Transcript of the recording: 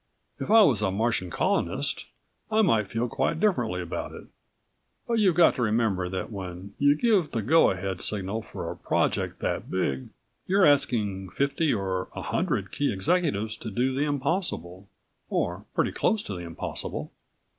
If I was a Martian colonist I might feel quite differently about it. But you've got to remember that when you give the go ahead signal for a project that big you're asking fifty or a hundred key executives to do the impossible or pretty close to the impossible."